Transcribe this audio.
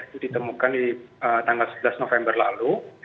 itu ditemukan di tanggal sebelas november lalu